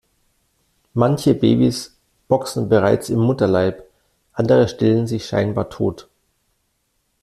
Manche Babys boxen bereits im Mutterleib, andere stellen sich scheinbar tot.